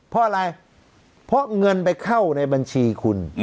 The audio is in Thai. เพราะอะไรเพราะเงินไปเข้าในบัญชีคุณ